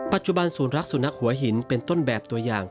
ปัจจุบันศูนย์รักสุนัขหัวหินเป็นต้นแบบตัวอย่าง